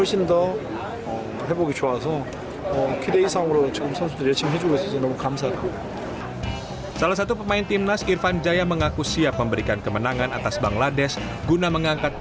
sinteyong sudah terlalu keras dan dia harus berlatih sehingga dia bisa berlatih